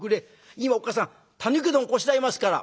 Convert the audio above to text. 「今おっ母さんたぬきうどんこしらえますから」。